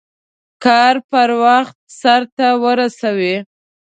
کار په وخت سرته ورسوئ.